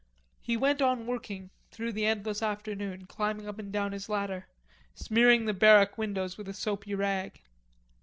He went on working through the endless afternoon, climbing up and down his ladder, smearing the barrack windows with a soapy rag.